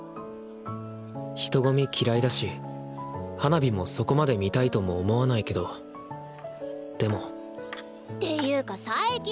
人混み嫌いだし花火もそこまで見たいとも思わないけどでもていうか佐伯！